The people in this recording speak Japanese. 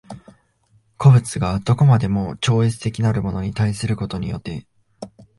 個物が何処までも超越的なるものに対することによって